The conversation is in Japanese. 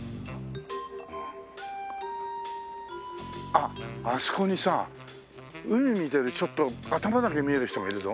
あっあそこにさ海見てるちょっと頭だけ見える人がいるぞ。